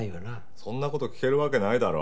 そんな事聞けるわけないだろ。